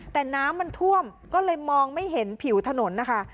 แต่น้ำมันท่วมก็เลยมองไม่เห็นผิวถนนนะคะ